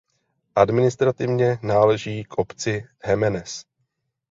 Administrativně náleží k obci Hemenes.